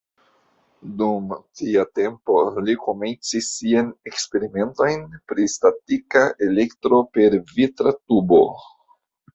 Dum tia tempo, li komencis siajn eksperimentojn pri statika elektro per vitra tubo.